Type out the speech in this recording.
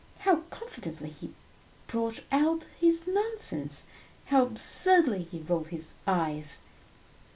How confidently he brought out his nonsense, how absurdly he rolled his eyes!